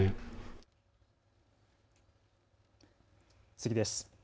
次です。